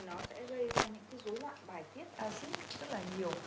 nó sẽ gây ra những cái dối loạn bài tiết rất là nhiều